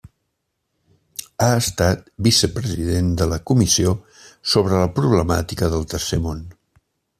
Ha estat vicepresident de la Comissió sobre la Problemàtica del Tercer Món.